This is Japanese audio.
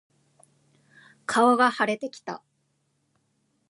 顔が腫れてきた。